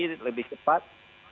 lebih baik lagi lebih cepat